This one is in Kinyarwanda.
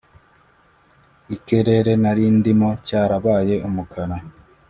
ikerere narindimo cyarabaye umukara